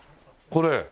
これ。